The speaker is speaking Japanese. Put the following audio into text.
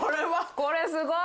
これすごい。